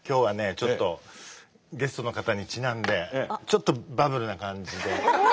ちょっとゲストの方にちなんでちょっとバブルな感じで。